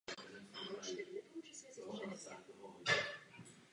Po smrti Tomáše Garrigue Masaryka byl most pojmenován po něm.